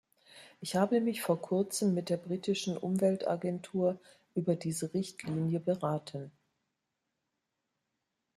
Ich habe mich vor Kurzem mit der britischen Umweltagentur über diese Richtlinie beraten.